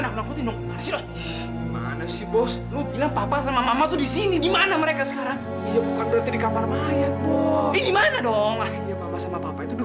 kamu pasti kecewa banget sama aku